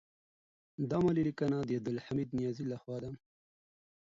دا مالي لیکنه د عبدالحمید نیازی لخوا ده.